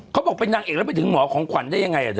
เขาบอกเป็นนางเอกแล้วไปถึงหมอของขวัญได้ยังไง